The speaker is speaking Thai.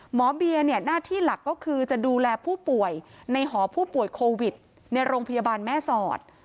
หมอเบียร์หน้าที่หลักก็คือจะดูแลผู้ป่วยในหอผู้ป่วยโควิดในโรงพยาบาลแม่สอด